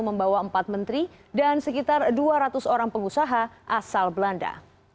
membawa empat menteri dan sekitar dua ratus orang pengusaha asal belanda